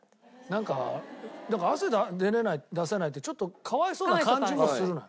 なんかなんか汗出せないってちょっと可哀想な感じもするのよ。